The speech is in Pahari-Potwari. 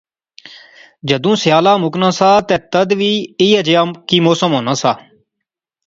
جدوں سیالا مُکنا سا تہ تد وی ایہھے جیا کی موسم ہونا سا